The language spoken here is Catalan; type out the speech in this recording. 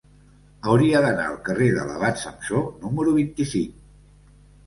Hauria d'anar al carrer de l'Abat Samsó número vint-i-cinc.